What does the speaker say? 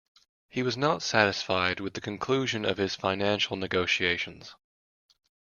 He was not satisfied with the conclusion of his financial negotiations.